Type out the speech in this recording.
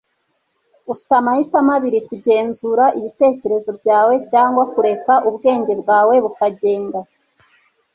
ufite amahitamo abiri, kugenzura ibitekerezo byawe cyangwa kureka ubwenge bwawe bukagenga